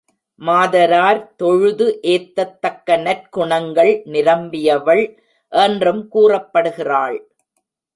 மாதரார் தொழுது ஏத்தத் தக்க நற்குணங்கள் நிரம்பியவள் என்றும் கூறப்படுகிறாள்.